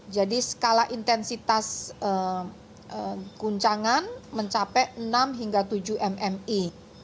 jadi skala intensitas guncangan mencapai enam hingga tujuh mmi